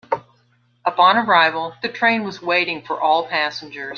Upon arrival, the train was waiting for all passengers.